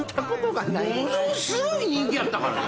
ものすごい人気やったからね！